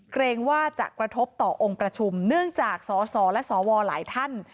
เกรงว่าจะกระทบต่อองค์ประชุมเนื่องจากสสและสวหลายท่าน